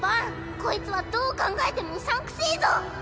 こいつはどう考えてもうさんくせぇぞ。